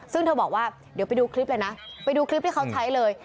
ซึ่งเธอบอกว่าเดี๋ยวไปดูคลิปเลยนะไปดูคลิปที่เขาใช้เลย